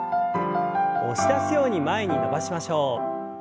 押し出すように前に伸ばしましょう。